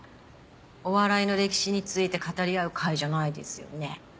お笑いの歴史について語り合う会じゃないですよね。